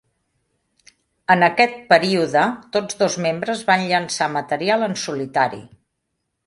En aquest període tots dos membres van llançar material en solitari.